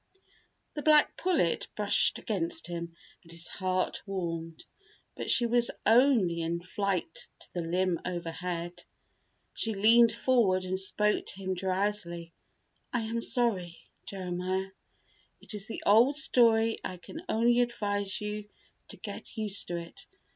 The black pullet brushed against him and his heart warmed—but she was only enflight to the limb overhead. She leaned forward and spoke to him, drowsily: "I am sorry, Jeremiah. It is the old story and I can only advise you to get used to it.